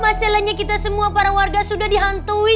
masalahnya kita semua para warga sudah dihantui